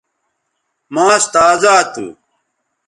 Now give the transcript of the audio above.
ماس تازا تھو